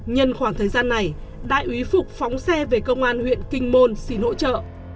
nhân khoảng thời gian này đại úy phục phóng xe về công an huyện kinh môn xin hỗ trợ